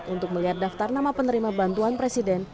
untuk melihat daftar nama penerima bantuan presiden